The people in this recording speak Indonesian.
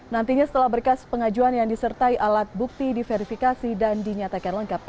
nantinya setelah berkas pengajuan yang disertai alat bukti diverifikasi dan dinyatakan lengkap